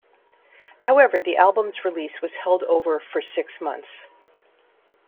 However, the album's release was held over for six months.